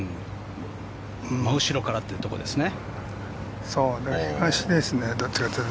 真後ろからというところですね。